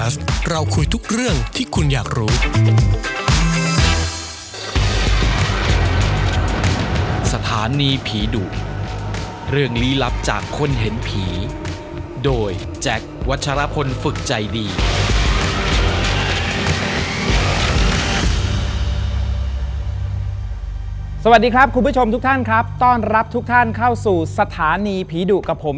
สวัสดีครับคุณผู้ชมทุกท่านครับต้อนรับทุกท่านเข้าสู่สถานีผีดุกับผม